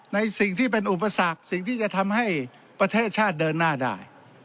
ในสิ่งที่เป็นอุปสรรคสิ่งที่จะทำให้ประเทศชาติเดินหน้าได้